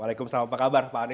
waalaikumsalam apa kabar pak ani